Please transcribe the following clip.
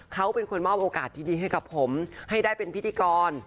เขาเป็นคนมอบโอกาสดีให้กับผมให้ได้เป็นพิธีกร